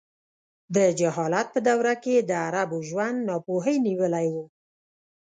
د جهالت په دوره کې د عربو ژوند ناپوهۍ نیولی و.